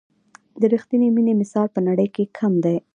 د رښتیني مینې مثال په نړۍ کې کم دی.